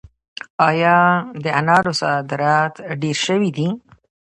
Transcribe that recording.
آیا د انارو صادرات ډیر شوي دي؟